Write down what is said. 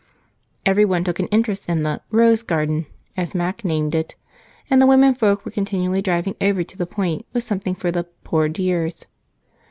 Everyone took an interest in the "Rose Garden," as Mac named it, and the womenfolk were continually driving over to the Point for something for the "poor dears."